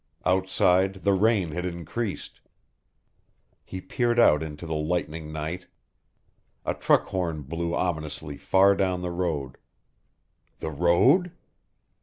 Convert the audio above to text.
Outside the rain had increased. He peered out into the lightning night. A truck horn blew ominously far down the road. The road?